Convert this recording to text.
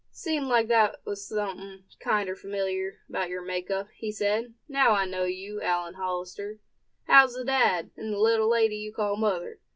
"Seemed like thar was somethin' kinder familiar about your make up," he said; "now I know you, Allan Hollister. How's the dad, and the little lady you call mother?